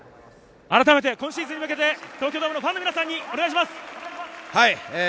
あらためて今シーズンの試合に向けて東京ドームのファンの皆さんにお願いします。